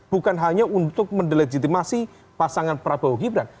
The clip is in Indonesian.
bukan hanya untuk mendilegitimasi pasangan prabowo gibrant